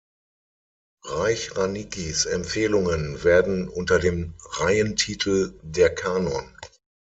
Reich-Ranickis Empfehlungen werden unter dem Reihentitel Der Kanon.